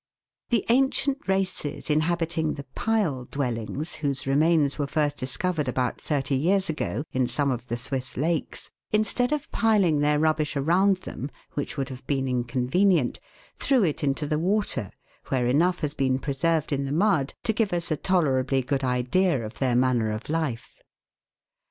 The ancient races inhabiting the pile dwellings, whose remains were first discovered about thirty years ago in some of the Swiss lakes, instead of piling their rubbish around them, which would have been inconvenient, threw it into the water, where enough has been preserved in the mud to give us a tolerably good idea of their manner of life.